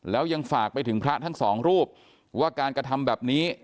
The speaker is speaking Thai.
แล้วยังฝากไปถึงพระทั้งสองรูปว่าการกระทำแบบนี้